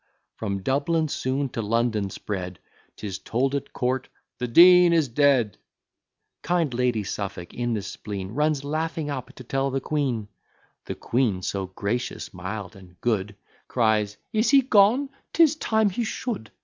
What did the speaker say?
From Dublin soon to London spread, 'Tis told at court, "the Dean is dead." Kind Lady Suffolk, in the spleen, Runs laughing up to tell the queen. The queen, so gracious, mild, and good, Cries, "Is he gone! 'tis time he shou'd.